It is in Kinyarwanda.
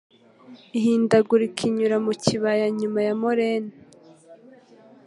ihindagurika inyura mu kibaya inyuma ya moraine